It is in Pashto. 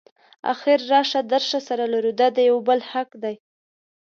اخر راشه درشه سره لرو دا یو د بل حق دی.